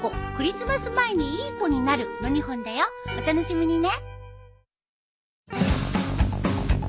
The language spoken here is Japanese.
お楽しみにね。